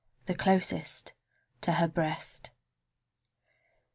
The closest to her breast.